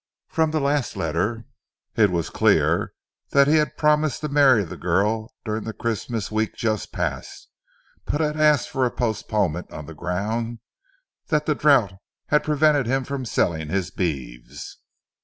From the last letter, it was clear that he had promised to marry the girl during the Christmas week just past, but he had asked for a postponement on the ground that the drouth had prevented him from selling his beeves.